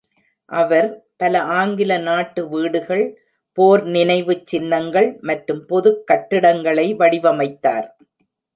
அவர், பல ஆங்கில நாட்டு வீடுகள், போர் நினைவுச் சின்னங்கள், மற்றும் பொதுக் கட்டிடங்களை வடிவமைத்தார்.